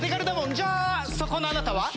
じゃあそこのあなたは？